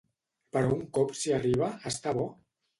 Però un cop s'hi arriba, està bo?